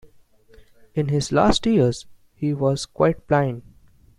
In his last years he was quite blind.